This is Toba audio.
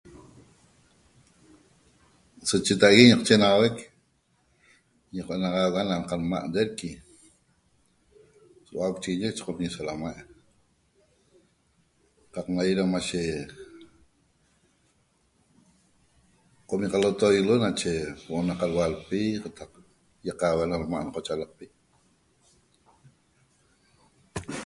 So cheta'ague ñiqochenaxauec ñanaxauga da qadma' Derqui hua'auchiguiñi nache qomi' salamai' qaq nagui da mashe qomi' qalotoiguilo nache huo'o na qaduadpi qataq iaqauga na lma na qoyaloxolpi